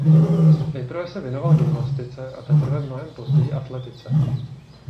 Nejprve se věnoval gymnastice a teprve mnohem později atletice.